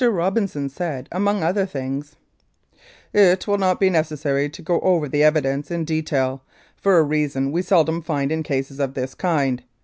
Robinson said among other things : "It will not be necessary to go over the evidence in detail, for a reason we seldom find in cases of this kind.